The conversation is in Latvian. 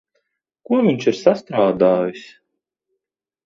Ko viņš ir sastrādājis?